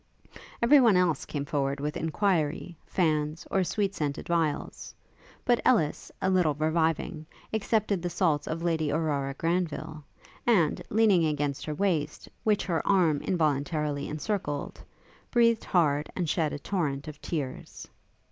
Every one else came forward with inquiry, fans, or sweet scented vials; but Ellis, a little reviving, accepted the salts of Lady Aurora Granville, and, leaning against her waist, which her arm involuntarily encircled, breathed hard and shed a torrent of tears.